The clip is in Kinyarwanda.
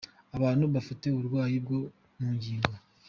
Abantu bafite uburwayi bwo mu ngingo.